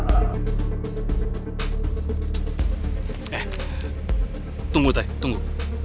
eh tunggu teh tunggu